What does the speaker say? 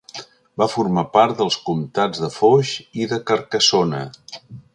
Va formar part dels comtats de Foix i de Carcassona.